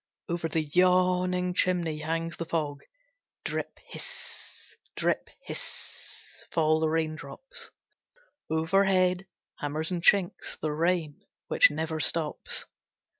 Over the yawning chimney hangs the fog. Drip hiss drip hiss fall the raindrops. Overhead hammers and chinks the rain which never stops.